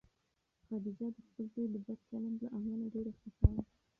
خدیجه د خپل زوی د بد چلند له امله ډېره خفه وه.